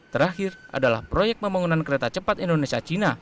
terakhir adalah proyek pembangunan kereta cepat indonesia cina